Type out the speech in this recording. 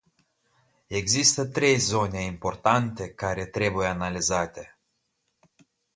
Există trei zone importante care trebuie analizate.